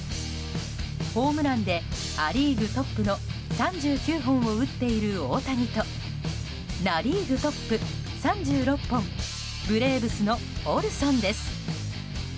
ホームランでア・リーグトップの３９本を打っている大谷とナ・リーグトップ、３６本ブレーブスのオルソンです。